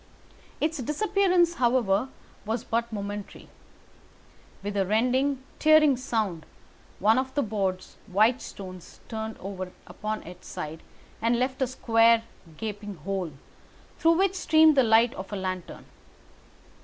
Its disappearance, however, was but momentary. With a rending, tearing sound, one of the broad, white stones turned over upon its side and left a square, gaping hole, through which streamed the light of a lantern.